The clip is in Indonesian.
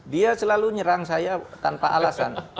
dia selalu nyerang saya tanpa alasan